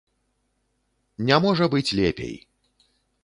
Не можа быць лепей!